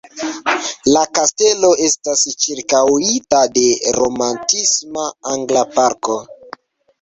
La kastelo estas ĉirkaŭita de romantisma angla parko.